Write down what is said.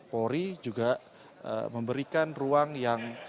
polri juga memberikan ruang yang